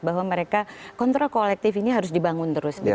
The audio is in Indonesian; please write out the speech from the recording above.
bahwa mereka kontra kolektif ini harus dibangun terus